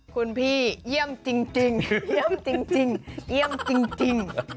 คุณพี่เยี่ยมจริง